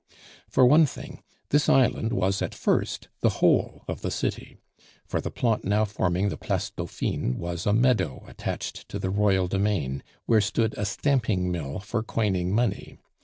For one thing, this island was at first the whole of the city, for the plot now forming the Place Dauphine was a meadow attached to the Royal demesne, where stood a stamping mill for coining money.